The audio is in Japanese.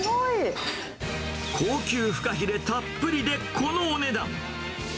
高級フカヒレたっぷりでこのお値段。